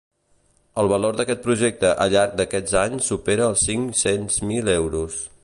El valor d’aquest projecte a llarg d’aquests anys supera els cinc-cents mil euros.